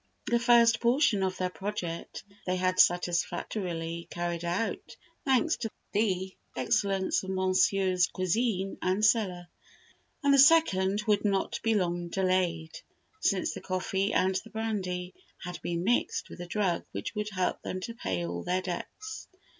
The first portion of their project they had satisfactorily carried out, thanks to the excellence of Monsieur's cuisine and cellar, and the second would not be long delayed, since the coffee and the brandy had been mixed with a drug which would help them to pay all their debts.